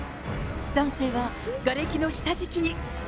男性はがれきの下敷きに。